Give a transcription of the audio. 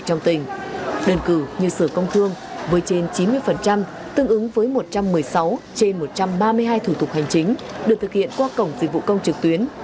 đơn cử như sở công thương với trên chín mươi tương ứng với một trăm một mươi sáu trên một trăm ba mươi hai thủ tục hành chính được thực hiện qua cổng dịch vụ công trực tuyến